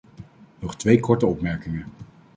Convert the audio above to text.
Nog twee korte opmerkingen.